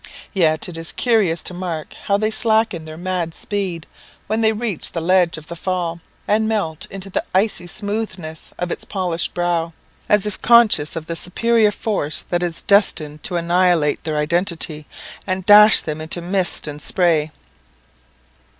Yet it is curious to mark how they slacken their mad speed when they reach the ledge of the fall, and melt into the icy smoothness of its polished brow, as if conscious of the superior force that is destined to annihilate their identity, and dash them into mist and spray.